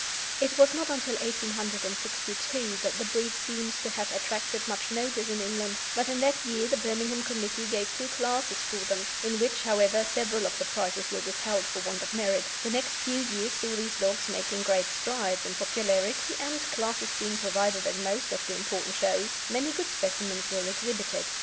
It was not until 1862 that the breed seems to have attracted much notice in England, but in that year the Birmingham Committee gave two classes for them, in which, however, several of the prizes were withheld for want of merit; the next few years saw these dogs making great strides in popularity and, classes being provided at most of the important shows, many good specimens were exhibited.